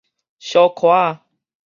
小可仔